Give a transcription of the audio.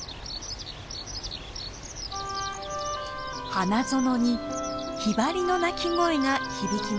花園にヒバリの鳴き声が響きます。